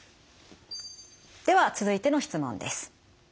では続いての質問です。